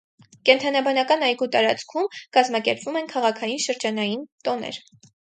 Կենդանաբանական այգու տարածքում կազմակերպվում են քաղաքային շրջանային տոներ։